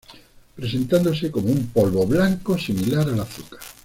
Presentándose como un polvo blanco similar al azúcar.